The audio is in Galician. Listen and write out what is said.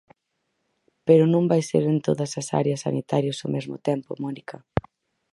Pero non vai ser en todas as áreas sanitarias ao mesmo tempo, Mónica.